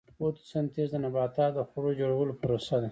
فوتوسنتیز د نباتاتو د خوړو جوړولو پروسه ده